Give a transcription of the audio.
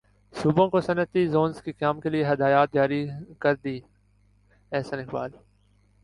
صوبوں کو صنعتی زونز کے قیام کیلئے ہدایات جاری کردیں احسن اقبال